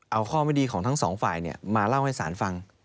เอาข้อไม่ดีของทั้งสองฝ่ายมาเล่าให้ศาลฟัง